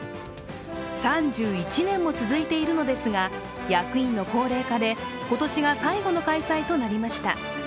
３１年も続いているのですが、役員の高齢化で今年が最後の開催となりました。